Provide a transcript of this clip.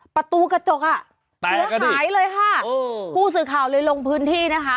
ประตูกระจกอ่ะเสียหายเลยค่ะโอ้ผู้สื่อข่าวเลยลงพื้นที่นะคะ